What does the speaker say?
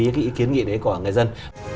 cái ý kiến nghị đấy của người dân